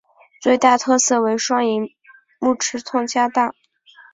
最大特色为双萤幕尺寸加大。